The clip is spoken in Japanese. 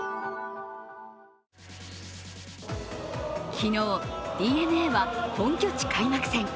昨日、ＤｅＮＡは本拠地開幕戦。